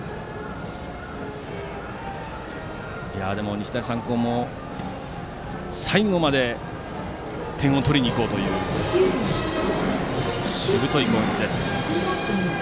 日大三高も、最後まで点を取りにいこうというしぶとい攻撃です。